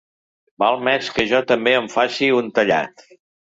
Val més que jo també em faci un tallat.